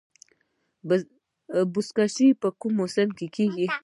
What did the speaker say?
بزکشي په کوم موسم کې کیږي؟